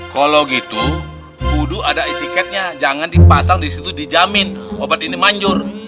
kalo gitu kudu ada etiketnya jangan dipasang disitu dijamin obat ini manjur